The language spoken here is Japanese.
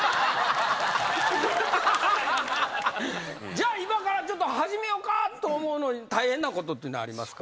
じゃあ今からちょっと始めよかと思うのに大変なことっていうのはありますか？